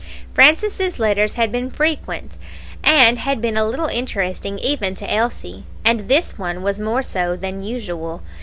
Francis' letters had been frequent, and had been a little interesting even to Elsie, and this one was more so than usual.